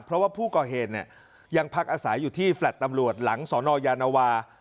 เพราะว่าผู้ก่อเหตุเนี่ยยังพักอาศัยอยู่ที่แฟลต์ตำรวจหลังสนยานวา